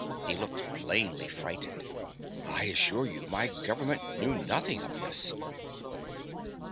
He looked plainly frightened. "I assure you, my government knew nothing of this."